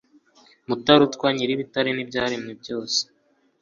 mutarutwa nyiribitare nibyaremwe byose